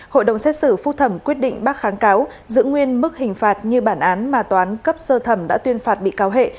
hội đồng xét xử phúc thẩm quyết định bác kháng cáo giữ nguyên mức hình phạt như bản án mà toán cấp sơ thẩm đã tuyên phạt bị cáo hệ